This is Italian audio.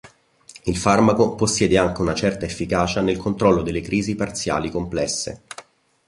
Il farmaco possiede anche una certa efficacia nel controllo delle crisi parziali complesse.